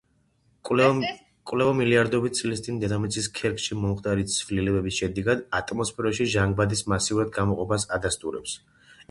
კვლევა მილიარდობით წლის წინ დედამიწის ქერქში მომხდარი ცვლილებების შედეგად, ატმოსფეროში ჟანგბადის მასიურად გამოყოფას ადასტურებს.